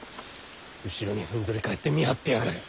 後ろにふんぞり返って見張ってやがる。